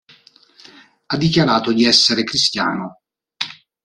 Ha dichiarato di essere cristiano.